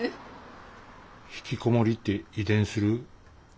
ひきこもりって遺伝する？